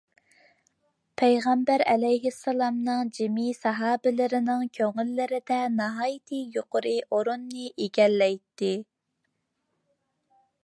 پەيغەمبەر ئەلەيھىسسالامنىڭ جىمى ساھابىلىرىنىڭ كۆڭۈللىرىدە ناھايىتى يۇقىرى ئورۇننى ئىگىلەيتتى.